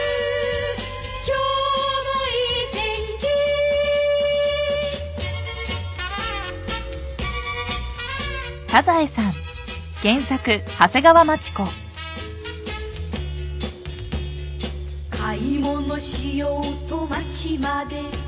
「今日もいい天気」「買い物しようと街まで」